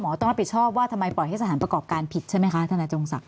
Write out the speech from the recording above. หมอต้องรับผิดชอบว่าทำไมปล่อยให้สถานประกอบการผิดใช่ไหมคะ